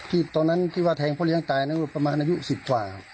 ตอนนั้นหวัดแทงพ่อเลี้ยงตายประมาณอายุ๑๐กว่า